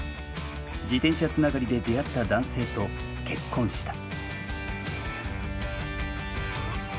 自転車つながりで出会った男性と結婚した。